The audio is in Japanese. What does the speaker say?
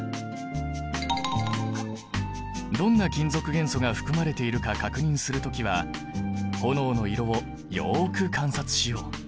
どんな金属元素が含まれているか確認する時は炎の色をよく観察しよう。